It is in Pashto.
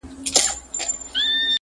بيا تعريف کړي